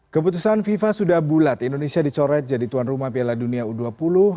keputusan fifa sudah bulat indonesia dicoret jadi tuan rumah piala dunia u dua puluh